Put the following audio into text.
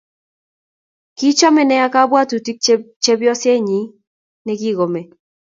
Kichome nea kabwatutik che chebyoset nyin ni kikome